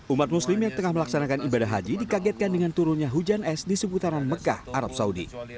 umat muslim yang tengah melaksanakan ibadah haji dikagetkan dengan turunnya hujan es di seputaran mekah arab saudi